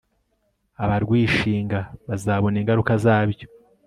abarwishinga bazabona ingaruka zabyo